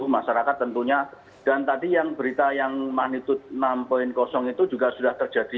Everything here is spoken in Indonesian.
masyarakat tentunya dan tadi yang berita yang magnitud enam itu juga sudah terjadi